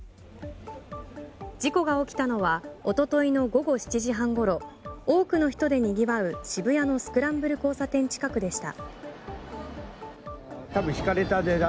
事故が起きたのは一昨日の午後７時半ごろ多くの人で賑わう渋谷のスクランブル交差点近くでした。